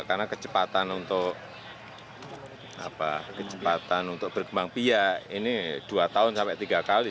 karena kecepatan untuk berkembang pihak ini dua tiga tahun sekali